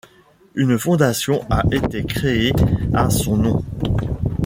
Une fondation a été créée à son nom.